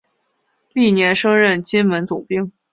翌年升任金门总兵。